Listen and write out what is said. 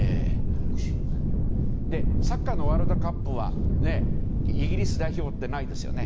サッカーのワールドカップはイギリス代表ってないですよね。